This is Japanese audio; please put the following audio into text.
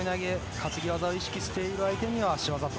担ぎ技を意識している相手には足技と。